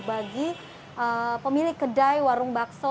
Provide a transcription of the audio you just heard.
bagi pemilik kedai warung bakso